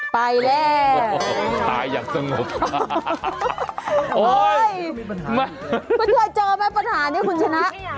ไปแล้วตายอย่างสงบโอ๊ยคุณเคยเจอไหมปัญหานี้คุณชนะ